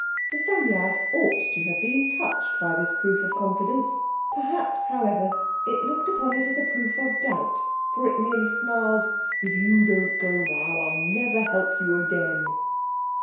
The Psammead ought to have been touched by this proof of confidence. Perhaps, however, it looked upon it as a proof of doubt, for it merely snarled— "If you don't go now I'll never help you again."